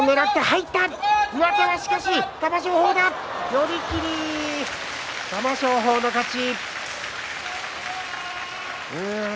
寄り切り、玉正鳳の勝ち。